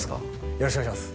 よろしくお願いします